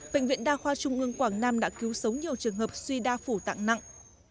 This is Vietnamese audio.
bệnh viện đa khoa trung ương quảng nam đã cứu sống nhiều trường hợp suy đa phủ tạng nặng